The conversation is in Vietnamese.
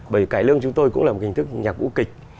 bởi cải lương chúng tôi cũng là một hình thức nhạc vũ kịch